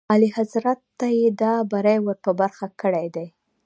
اعلیحضرت ته یې دا بری ور په برخه کړی دی.